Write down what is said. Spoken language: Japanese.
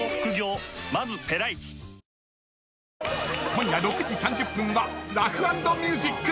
［今夜６時３０分は『ラフ＆ミュージック』！］